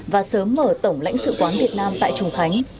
và sớm mở tổng lãnh sự quán việt nam tại trùng khánh